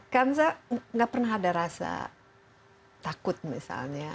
kansa gak pernah ada rasa takut misalnya